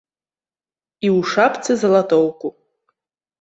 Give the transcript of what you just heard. І у шапцы залатоўку.